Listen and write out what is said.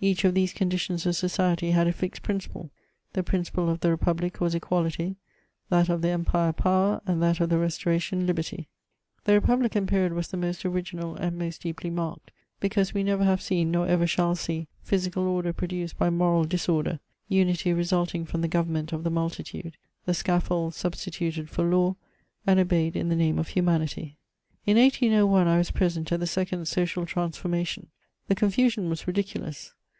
Each of these conditions of society had a fixed principle: the principle of the Republic was equality; that of the Empire, power ; and that of the Restora tion, liberty. The republican period was tiie most original and most deeply marked, because we never have seen, nor ever shall see, physical order produced by moral disorder, unity re sulting from the government of the multitude, the scafEbld substituted for law, and obeyed in the name of humanity. In 1801, I was present at the second social transformation. The confusion was ridiculous.